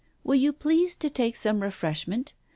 Will you please to take some refreshment